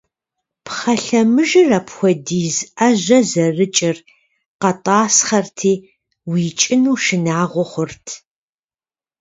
Пхъэ лъэмыжыр, апхуэдиз Ӏэжьэ зэрыкӀыр, къэтӀасхъэрти, уикӀыну шынагъуэ хъурт.